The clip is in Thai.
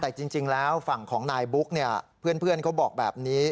แต่จริงแล้วฝั่งของนายบุ๊กเนี่ยเพื่อนเขาบอกแบบนี้